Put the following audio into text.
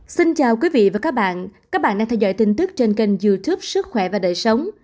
xin chào quý vị và các bạn các bạn đang theo dõi tin tức trên kênh youtube sức khỏe và đời sống